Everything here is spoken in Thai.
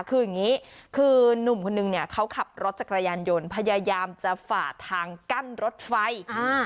คืออย่างงี้คือนุ่มคนนึงเนี่ยเขาขับรถจักรยานยนต์พยายามจะฝ่าทางกั้นรถไฟอ่า